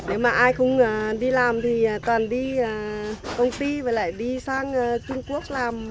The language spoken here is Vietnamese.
nếu mà ai không đi làm thì toàn đi công ty và lại đi sang trung quốc